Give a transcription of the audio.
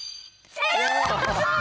正解！